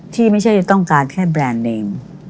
ที่ไม่ใช่ต้องการแค่แบรนด์เนม